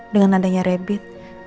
dengan adanya rebit